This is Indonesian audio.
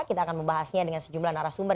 kita akan membahasnya dengan sejumlah narasumber